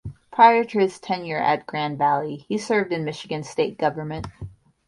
Prior to his tenure at Grand Valley, he served in Michigan state government.